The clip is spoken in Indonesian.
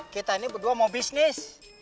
kita ini berdua mau bisnis